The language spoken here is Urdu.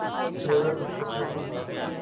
میری خوش قسمتی ہے۔